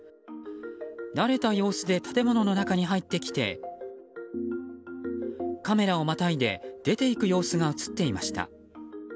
慣れた様子で建物の中に入ってきてカメラをまたいで出ていく様子が映っていました。